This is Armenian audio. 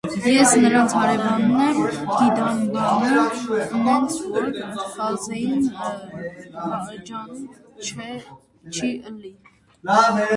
Ես նրանց հարևանն եմ, գիդամ բանը, ընենց որ, խազեին ջան, չի ըլի.